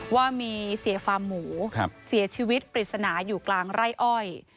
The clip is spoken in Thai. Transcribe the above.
ว่ามีเสียฟาหมู่เสียชีวิตปริษณายุฒิกลางร่อย